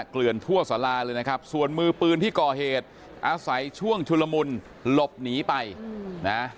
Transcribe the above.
เกลือนทั่วสาราเลยนะครับส่วนมือปืนที่ก่อเหตุอาศัยช่วงชุลมุนหลบหนีไปนะ